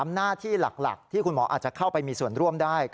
หน้าที่หลักที่คุณหมออาจจะเข้าไปมีส่วนร่วมได้